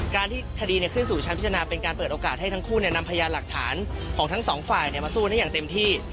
การที่คดีขึ้นสู่ชั้นพิจารณาเป็นการเปิดโอกาสให้ทั้งคู่นำพยานหลักฐานของทั้งสองฝ่ายมาสู้ได้อย่างเต็มที่